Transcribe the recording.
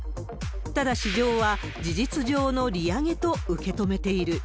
ただ、市場は事実上の利上げと受け止めている。